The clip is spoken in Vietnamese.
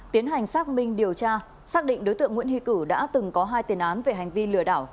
tiến hành xác minh điều tra xác định đối tượng nguyễn huy cửu đã từng có hai tiền án về hành vi lừa đảo